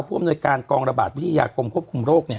อำนวยการกองระบาดวิทยากรมควบคุมโรค